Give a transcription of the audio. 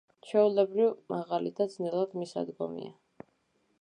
ჩვეულებრივ, მაღალი და ძნელად მისადგომია.